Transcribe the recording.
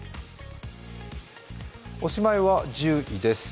おしまいは１０位です。